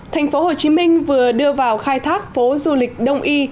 thành phố hồ chí minh vừa đưa vào khai thác phố du lịch đông y